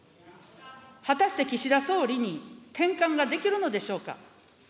果たして岸田総理に転換ができるのでしょうか。